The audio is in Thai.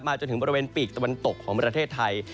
จนถึงบริเวณปีกตะวันตกของประเทศไทย